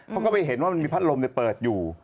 เขาก็ไปเห็นว่ามันมีพัดลมเปิดอยู่